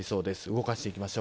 動かしていきます。